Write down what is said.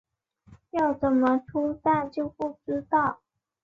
要怎么出站就不知道